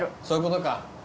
そういうことか。